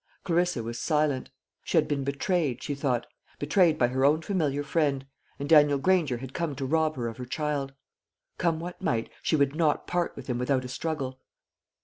Clarissa was silent. She had been betrayed, she thought betrayed by her own familiar friend; and Daniel Granger had come to rob her of her child. Come what might, she would not part with him without a struggle.